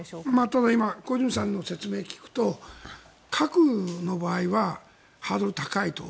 ただ、今小泉さんの説明を聞くと核の場合はハードルが高いと。